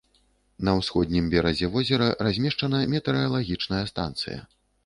На ўсходнім беразе возера размешчана метэаралагічная станцыя.